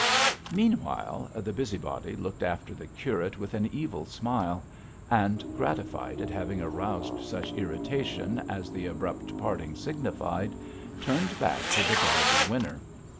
Meanwhile, the busybody looked after the curate with an evil smile; and, gratified at having aroused such irritation as the abrupt parting signified, turned back to The Derby Winner.